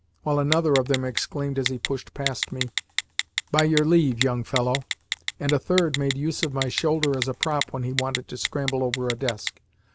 while another of them exclaimed as he pushed past me, "By your leave, young fellow!" and a third made use of my shoulder as a prop when he wanted to scramble over a desk.